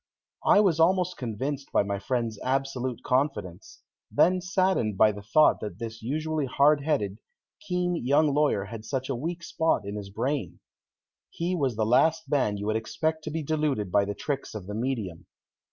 I was almost convinced by my friend's absolute confidence; then saddened by the thought that this usually hard headed, keen young lawyer had such a weak spot in his brain. He was the last man you would expect to be deluded by the tricks of the medium.